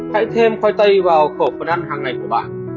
hãy thêm khoai tây vào khẩu phần ăn hàng ngày của bạn